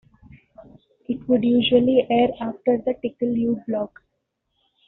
It would usually air after the "Tickle-U" block.